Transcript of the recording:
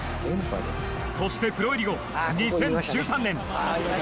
そしてプロ入り後２０１３年。